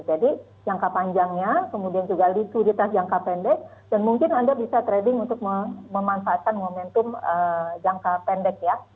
jadi jangka panjangnya kemudian juga likuiditas jangka pendek dan mungkin anda bisa trading untuk memanfaatkan momentum jangka pendek ya